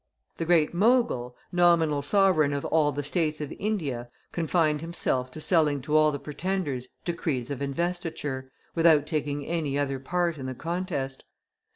The Great Mogul, nominal sovereign of all the states of India, confined himself to selling to all the pretenders decrees of investiture, without taking any other part in the contest.